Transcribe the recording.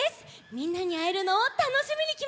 みんなにあえるのをたのしみにきました。